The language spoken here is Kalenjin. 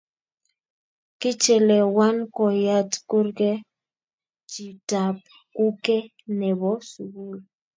Kichelewan koyat kurke chitap kuke ne bo sukul.